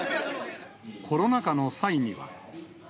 コロナ禍の際には。